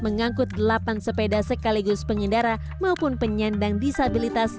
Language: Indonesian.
mengangkut delapan sepeda sekaligus pengendara maupun penyandang disabilitas